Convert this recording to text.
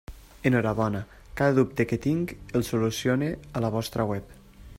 Enhorabona, cada dubte que tinc el solucione a la vostra web.